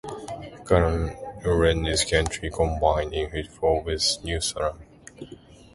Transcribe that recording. Glen Ullin is currently combined in football with New Salem.